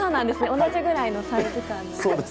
同じぐらいのサイズ感で。